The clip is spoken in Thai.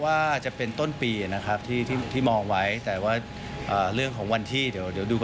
ว่าจะเป็นต้นปีนะครับที่มองไว้แต่ว่าเรื่องของวันที่เดี๋ยวดูกัน